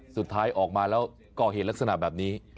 สุดท้ายออกมาแล้วก่อเหตุลักษณะแบบนี้